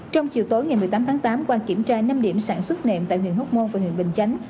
trong chiều tối ngày một mươi tám tháng tám qua kiểm tra năm điểm sản xuất nẹm tại huyện hóc môn và huyện bình chánh